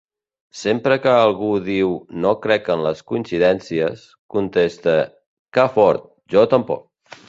Sempre que algú diu “No crec en les coincidències”, conteste “Que fort! Jo tampoc!”